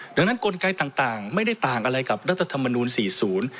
ดังนั้นกลไกต่างไม่ได้ต่างอะไรกับรัฐธรรมนูล๔๐